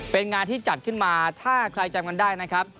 เป็นงานที่จัดขึ้นมาถ้าใครจำกันได้นะครับ